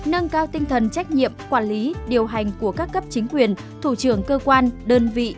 nâng cao tinh thần trách nhiệm quản lý điều hành của các cấp chính quyền thủ trưởng cơ quan đơn vị